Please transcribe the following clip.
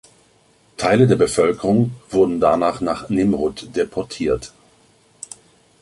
Teile der Bevölkerung wurden danach nach Nimrud deportiert.